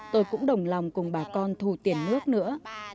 tôi cũng đồng lòng cùng bà con thù tiền nước nữa